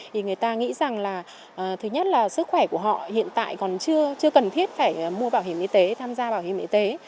thì người ta nghĩ rằng là thứ nhất là sức khỏe của họ hiện tại còn chưa cần thiết phải mua bảo hiểm y tế tham gia bảo hiểm y tế